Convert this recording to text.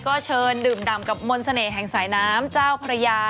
ก็เชิญดื่มดำกับมนต์เสน่ห์แห่งสายน้ำเจ้าพระยา